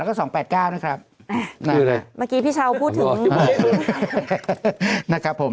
แล้วก็สองแปดเก้านะครับนั่นแหละเมื่อกี้พี่เช้าพูดถึงนะครับผม